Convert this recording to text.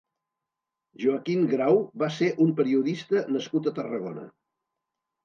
Joaquín Grau va ser un periodista nascut a Tarragona.